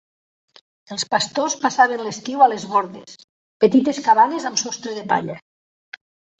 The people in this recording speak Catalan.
Els pastors passaven l'estiu a les bordes, petites cabanes amb sostre de palla.